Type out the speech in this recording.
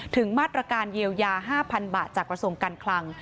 ถึงมาตรการเยียวยา๕๐๐๐บาทจากกระทรวงการคลัง